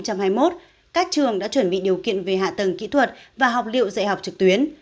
các trường đã chuẩn bị điều kiện về hạ tầng kỹ thuật và học liệu dạy học trực tuyến